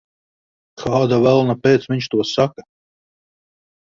Kāda velna pēc viņš to saka?